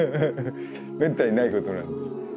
めったにないことなんで。